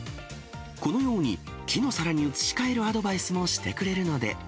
このように木の皿に移し替えるアドバイスもしてくれるので。